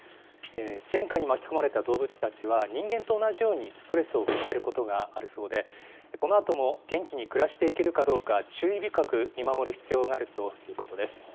戦火に巻き込まれた動物たちは、人間と同じようにストレスを抱えることがあるそうで、このあとも元気に暮らしていけるかどうか、注意深く見守る必要があるということです。